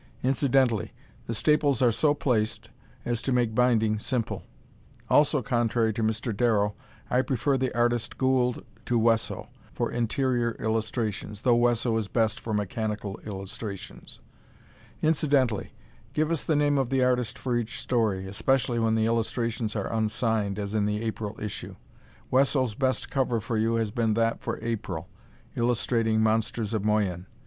Incidentally, the staples are so placed as to make binding simple. Also contrary to Mr. Darrow, I prefer the artist Gould, to Wesso, for interior illustrations, though Wesso is best for mechanical illustrations. Incidentally, give us the name of the artist for each story, especially when the illustrations are unsigned, as in the April issue. Wesso's best cover for you has been that for April, illustrating "Monsters of Moyen."